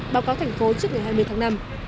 báo cáo thành phố trước ngày hai mươi tháng năm